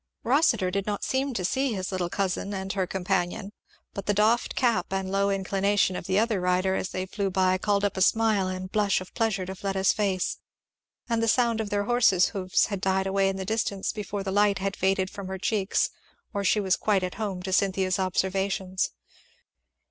Rossitur did not seem to see his little cousin and her companion; but the doffed cap and low inclination of the other rider as they flew by called up a smile and blush of pleasure to Fleda's face; and the sound of their horses' hoofs had died away in the distance before the light had faded from her cheeks or she was quite at home to Cynthia's observations.